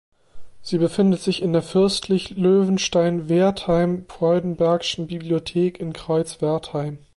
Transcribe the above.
Sie befindet sich in der Fürstlich Löwenstein-Wertheim-Freudenbergschen Bibliothek in Kreuzwertheim.